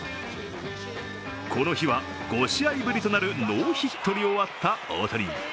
この日は５試合ぶりとなるノーヒットに終わった大谷。